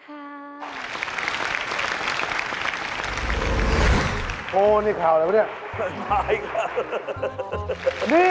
โอ้โฮนี่ข่าวอะไรวะนี่